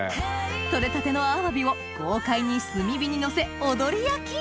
取れたてのアワビを豪快に炭火にのせ踊り焼き